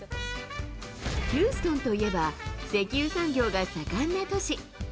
ヒューストンといえば、石油産業が盛んな都市。